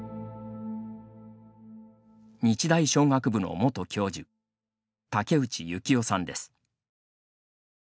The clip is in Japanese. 日大商学部の元教授竹内幸雄さんです。